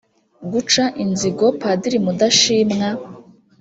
guca inzigo padiri mudashimwa